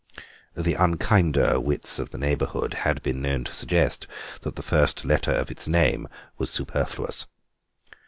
The unkinder wits of the neighbourhood had been known to suggest that the first letter of its name was superfluous.